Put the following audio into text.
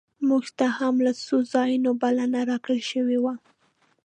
مونږ ته هم له څو ځایونو بلنه راکړل شوې وه.